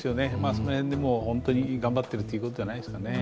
その辺で本当に頑張っているということじゃないですかね。